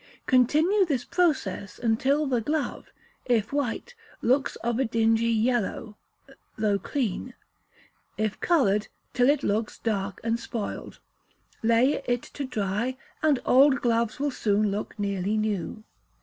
Continue this process until the glove, if white, looks of a dingy yellow, though clean; if coloured, till it looks dark and spoiled. Lay it to dry; and old gloves will soon look nearly new.